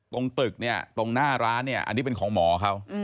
ตรงตึกเนี่ยตรงหน้าร้านเนี่ยอันนี้เป็นของหมอเขา